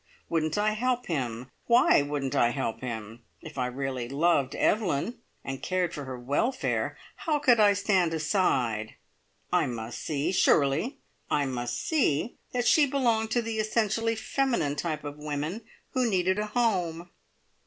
Wouldn't I help him? Why wouldn't I help him? If I really loved Evelyn, and cared for her welfare, how could I stand aside? I must see surely I must see that she belonged to the essentially feminine type of women who needed a home!